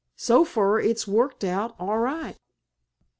So fur it's worked all right."